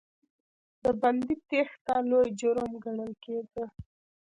د بندي تېښته لوی جرم ګڼل کېده.